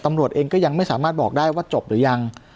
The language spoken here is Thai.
ตำรวจเองก็ยังไม่สามารถบอกได้ว่าจบหรือยัง